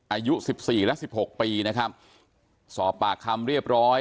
อายุสิบสี่และสิบหกปีนะครับสอบปากคำเรียบร้อย